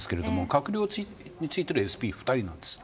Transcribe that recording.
閣僚についてるＳＰ２人です。